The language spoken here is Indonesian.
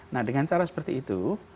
nah dengan cara seperti itu